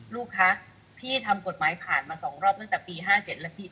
ลูกคะพี่ทำกฎหมายผ่านมา๒รอบตั้งแต่ปี๕๗แล้วพี่